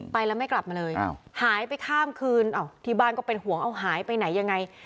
ไปแล้วไม่กลับมาเลยหายไปข้ามคืนที่บ้านก็เป็นห่วงเอาหายไปไหนยังไง